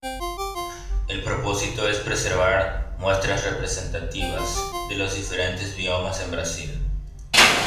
El propósito es preservar muestras representativas de los diferentes biomas en Brasil.